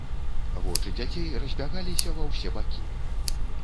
Вочы дзяцей разбягаліся ва ўсе бакі.